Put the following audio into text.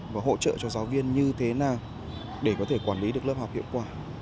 và hỗ trợ cho giáo viên như thế nào để có thể quản lý được lớp học hiệu quả